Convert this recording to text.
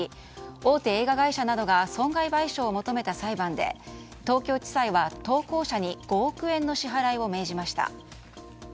大手映画会社などが損害賠償を求めた裁判で東京地裁は投稿者に５億円の支払いを命じました。